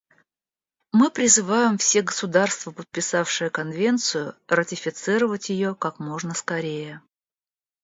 Мы призываем все государства, подписавшие Конвенцию, ратифицировать ее как можно скорее.